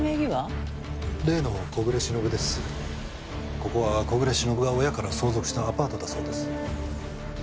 ここは小暮しのぶが親から相続したアパートだそうです。